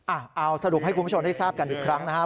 อ่าเอ่าสรุปให้คุณผู้ชมคุณผู้ชมให้ทราบก่อนอีกครั้งนะห้า